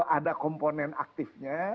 ada komponen aktifnya